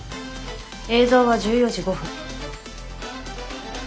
映像は１４時５分。